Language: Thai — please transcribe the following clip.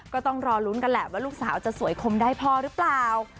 ก็ต้องรอลุ้นกันแหละว่าลูกสาวจะสวยคมได้พอหรือเปล่า